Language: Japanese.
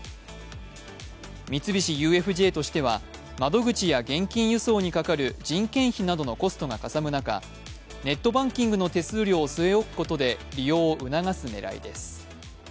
三菱ＵＦＪとしては窓口や現金輸送にかかる人件費などのコストがかさむ中ネットバンキングの手数料を据え置くことで利用を促す狙いです。